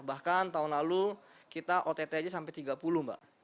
bahkan tahun lalu kita ott aja sampai tiga puluh mbak